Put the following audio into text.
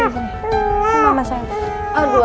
selamat tahun ya anak